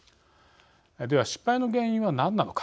では、失敗の原因は何なのか。